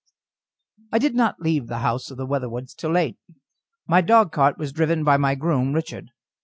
I did not leave the house of the Weatherwoods till late. My dogcart was driven by my groom, Richard.